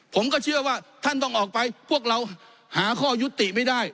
ผมก็เชื่อว่าท่านต้องออกไปพวกเราหาข้อยุติไม่ได้